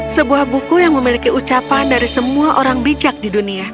sebuah buku yang memiliki ucapan dari semua orang bijak di dunia